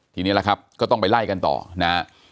ทีนี้ล่ะครับก็ต้องไปไล่กันต่อนะฮะ